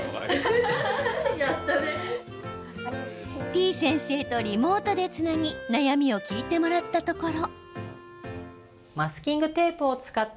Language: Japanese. てぃ先生とリモートでつなぎ悩みを聞いてもらったところ。